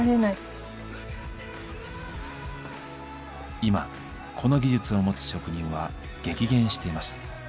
今この技術を持つ職人は激減しています。